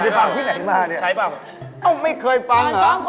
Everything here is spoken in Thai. เดินซองกันเดียวทำไมฮา